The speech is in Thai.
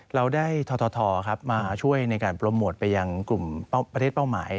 เราได้ททมาช่วยในการโปรโมทไปยังกลุ่มประเทศเป้าหมาย